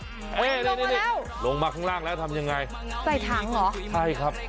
นี่นี่ลงมาข้างล่างแล้วทำยังไงใส่ถังเหรอใช่ครับ